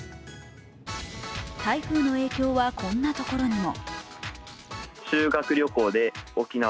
台風の影響は、こんなところにも。